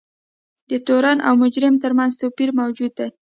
د تورن او مجرم ترمنځ توپیر موجود دی.